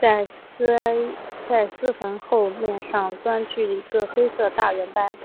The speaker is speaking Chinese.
在鳃缝后面上端据一个黑色大圆斑。